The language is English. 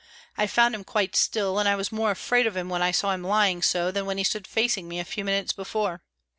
I found him quite still, and I was more afraid of him when I saw him lying so than when he stood facing me a few minutes before.